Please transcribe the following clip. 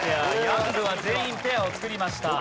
ヤングは全員ペアを作りました。